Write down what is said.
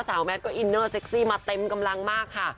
แมทก็อินเนอร์เซ็กซี่มาเต็มกำลังมากค่ะ